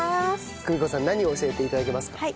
久美子さん何を教えて頂けますか？